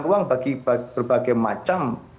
ruang bagi berbagai macam